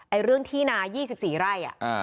เรื่องที่นา๒๔ไร่